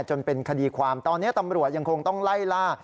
จนเป็นคดีความตอนนี้ตำรวจยังคงต้องไล่ล่า